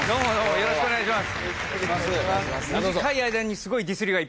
よろしくお願いします。